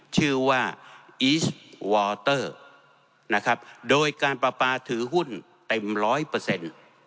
ชื่อว่าอีสวอเตอร์นะครับโดยการประปาถือหุ้นเต็มร้อยเปอร์เซ็นต์